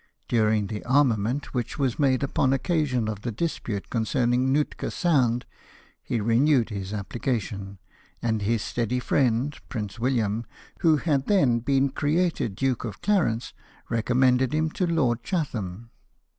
During the armament which was made upon occasion of the dispute concerning Nootka Sound, he renewed his application, and his steady friend. Prince William, who had then been created Duke of Clarence, recom mended him to Lord Chatham.